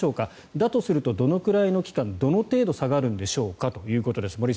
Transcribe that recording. だとすると、どのくらいの期間どの程度下がるんでしょうかと。